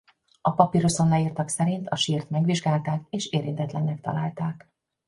A papiruszon leírtak szerint a sírt megvizsgálták és érintetlennek találták.